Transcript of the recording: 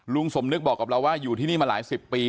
สมนึกบอกกับเราว่าอยู่ที่นี่มาหลายสิบปี